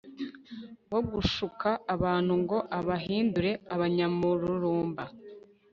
wo gushuka abantu ngo abahindure abanyamururumba